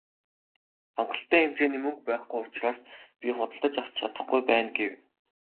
"Хангалттай хэмжээний мөнгө байхгүй учраас би худалдаж авч чадахгүй байна" гэв.